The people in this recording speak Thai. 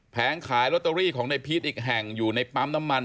ขายลอตเตอรี่ของในพีชอีกแห่งอยู่ในปั๊มน้ำมัน